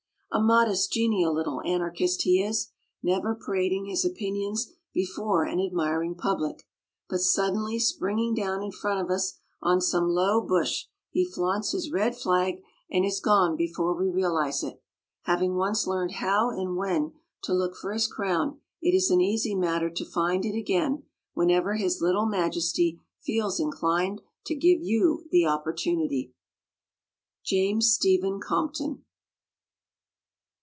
A modest genial little anarchist he is, never parading his opinions before an admiring public, but suddenly springing down in front of us on some low bush he flaunts his red flag and is gone before we realize it. Having once learned how and when to look for his crown it is an easy matter to find it again whenever his little majesty feels inclined to give you the opportunity. James Stephen Compton.